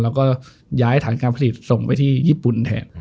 แล้วก็ย้ายฐานการผลิตส่งไปที่ญี่ปุ่นแทน